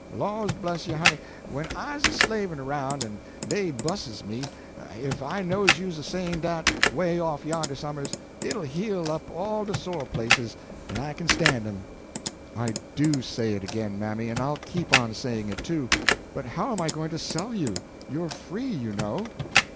Laws bless you, honey, when I's slavin' aroun', en dey 'buses me, if I knows you's a sayin' dat, 'way off yonder somers, it'll heal up all de sore places, en I kin stan' 'em." "I do say it again, mammy, and I'll keep on saying it, too. But how am I going to sell you? You're free, you know."